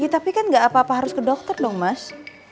tapi kan gak apa apa harus ke dokter dong mas